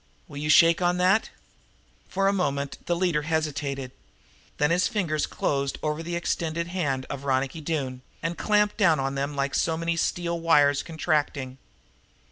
Will you shake on that?" For a moment the leader hesitated, then his fingers closed over the extended hand of Ronicky Doone and clamped down on them like so many steel wires contracting.